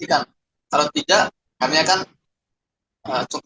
kalau tidak kami akan